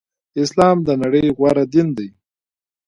اسلام د نړی غوره دین دی.